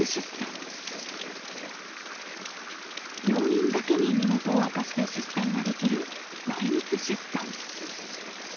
病院だけに身元を明かして出産ができる内密出産。